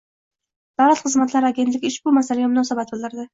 Davlat xizmatlari agentligi ushbu masalaga munosabat bildirdi